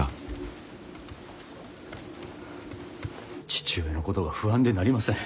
父上のことが不安でなりません。